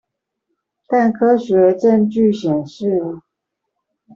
但科學證據顯示